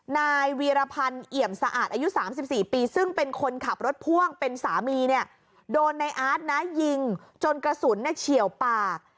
นายวีรพันธ์เอี่ยมสะอาดอายุ๓๔ปีซึ่งเป็นคนขับรถพ่วงเป็นสามีเนี่ยโดนในอาร์ตนะยิงจนกระสุนเฉียวปาก